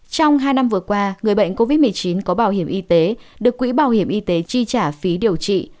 trong hai năm vừa qua người bệnh covid một mươi chín có bảo hiểm y tế được quỹ bảo hiểm y tế chi trả phí điều trị